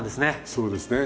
そうですね。